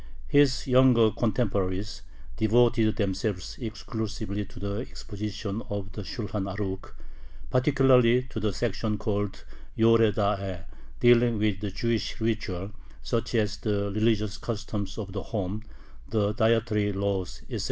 His younger contemporaries devoted themselves exclusively to the exposition of the Shulhan Arukh, particularly to the section called Yore De`a, dealing with the Jewish ritual, such as the religious customs of the home, the dietary laws, etc.